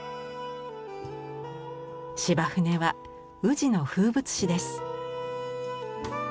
柴舟は宇治の風物詩です。